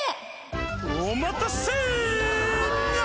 おまたせニャ！